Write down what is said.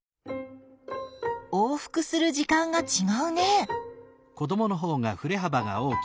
往復する時間がちがうね。